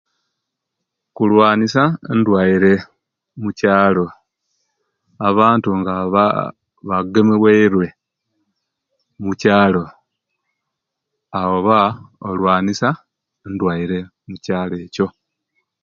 Kulwanisa endwaire omukyalo abantu nga baa bagemeweirwe omukyalo oba okulwanisa endwaire omukyalo ekyo.